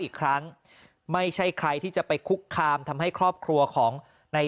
อีกครั้งไม่ใช่ใครที่จะไปคุกคามทำให้ครอบครัวของใน